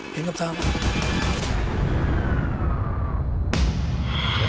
เห็นกับตาไหม